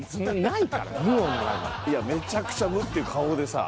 いやめちゃくちゃ「無」っていう顔でさ。